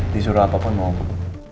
disuruh apa pun mau bu